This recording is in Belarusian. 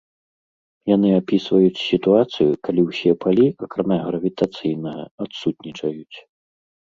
Яны апісваюць сітуацыю, калі ўсе палі, акрамя гравітацыйнага, адсутнічаюць.